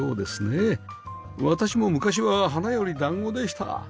私も昔は花より団子でした